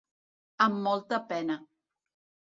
Amb molta pena.